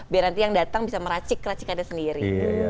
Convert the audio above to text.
biar nanti yang datang bisa meracik racikannya sendiri